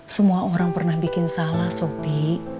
semua orang pernah bikin salah sopi